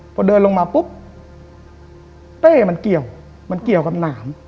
พอเดินลงมาปุ๊บเต้มันเกี่ยวมันเกี่ยวกับหนาม